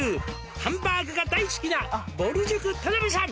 「ハンバーグが大好きなぼる塾田辺さん」